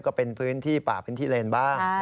ก็เป็นพื้นที่ป่าพื้นที่เลนบ้าง